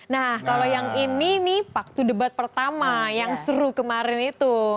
nah kalau yang ini nih waktu debat pertama yang seru kemarin itu